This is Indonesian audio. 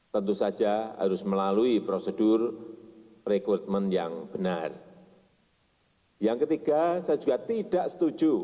tentu saja harus melalui prosedur rekrutmen yang benar yang ketiga saya juga tidak setuju